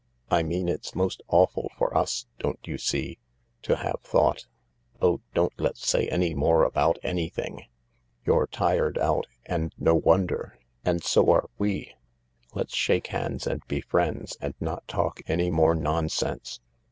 I mean it's most awful for us, don't you see— to have thought .*. Oh, don't let's say any more about any thing. You're tired out, and no wonder— and so are we. Let's shake hands and be friends and not talk any more nonsense.